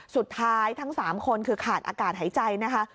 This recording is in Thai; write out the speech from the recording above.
สุดท้ายทั้งสามคนคือขาดอากาศหายใจนะคะ